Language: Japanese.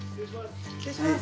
失礼します。